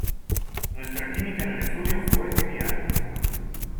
Nuestra química en el estudio fue genial.